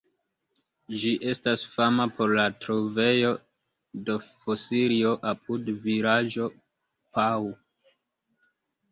Ĝi estas fama por la trovejo de fosilioj apud vilaĝo Pau.